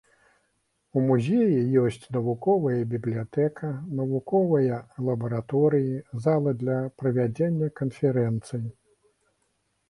У музеі ёсць навуковая бібліятэка, навуковыя лабараторыі, залы для правядзення канферэнцый.